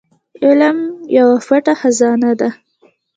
علم يوه پټه خزانه ده.